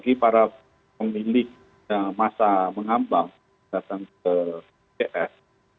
bagi para pemilik masa mengambang datang ke cs